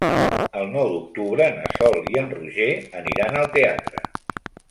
El nou d'octubre na Sol i en Roger aniran al teatre.